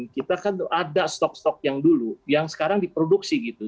kita kan ada stok stok yang dulu yang sekarang diproduksi gitu